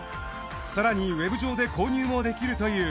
更にウェブ上で購入もできるという。